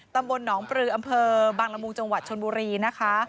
ตำบลหนองปลืออำเภอบางละมุงจังหวัดชนบุรีนะคะ